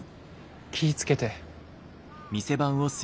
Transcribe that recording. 気ぃ付けて。